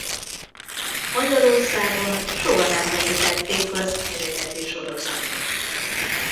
Magyarországon soha nem vetítették az eredeti sorozatot.